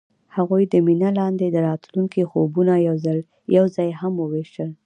هغوی د مینه لاندې د راتلونکي خوبونه یوځای هم وویشل.